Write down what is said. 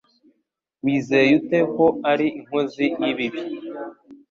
Wizeye ute ko ari inkozi y'ibibi?